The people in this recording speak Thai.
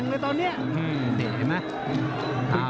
น่าคำประการนี่ความเชื่อถือสูงมากจากราชดำเนิน